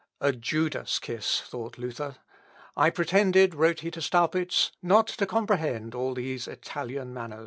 "A Judas kiss," thought Luther, "I pretended," wrote he to Staupitz, "not to comprehend all these Italian manners."